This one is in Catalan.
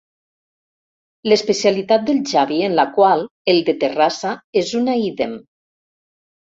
L'especialitat del Xavi en la qual el de Terrassa és una ídem.